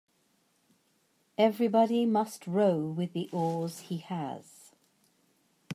Everybody must row with the oars he has.